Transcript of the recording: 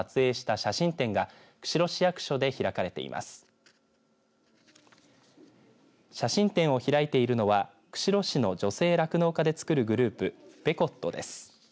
写真展を開いているのは釧路市の女性酪農家でつくるグループＢｅｃｏｔｔｏです。